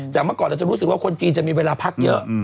เมื่อก่อนเราจะรู้สึกว่าคนจีนจะมีเวลาพักเยอะ